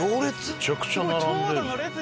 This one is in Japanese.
めちゃくちゃ並んでるじゃん。